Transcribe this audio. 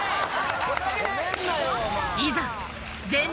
いざ